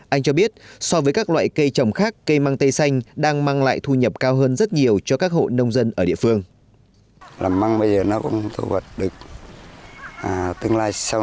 anh cho biết so với các loại cây trồng khác cây mang tây xanh đang mang lại thu nhập cao hơn rất nhiều cho các hộ nông dân ở địa phương